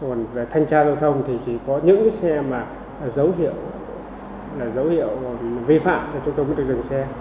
rồi về thanh tra giao thông thì chỉ có những cái xe mà là dấu hiệu là dấu hiệu vi phạm là chúng tôi mới được dừng xe